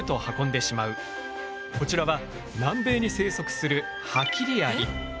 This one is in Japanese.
こちらは南米に生息するハキリアリ。